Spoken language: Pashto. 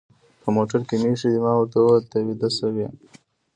په موټر کې مې اېښي دي، ما ورته وویل: ته ویده شوې؟